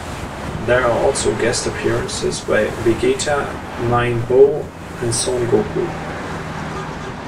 There are also guest appearances by Vegeta, Majin Boo and Son Goku.